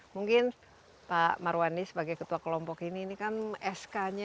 mungkin pak marwani sebagai ketua kelompok ini ini kan sk nya